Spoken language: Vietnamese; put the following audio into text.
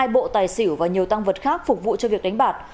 hai bộ tài xỉu và nhiều tăng vật khác phục vụ cho việc đánh bạc